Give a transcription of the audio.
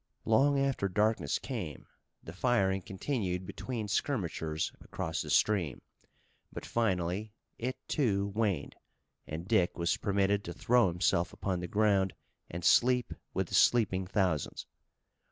Long after darkness came the firing continued between skirmishers across the stream, but finally it, too, waned and Dick was permitted to throw himself upon the ground and sleep with the sleeping thousands.